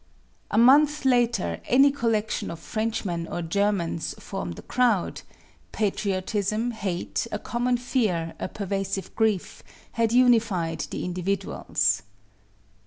A month later, any collection of Frenchmen or Germans formed a crowd: Patriotism, hate, a common fear, a pervasive grief, had unified the individuals.